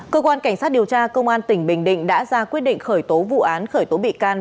cơ quan cảnh sát điều tra công an tỉnh bình định đã ra quyết định khởi tố vụ án khởi tố bị can